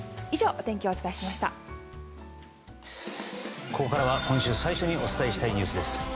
ここからは今週最初にお伝えしたいニュースです。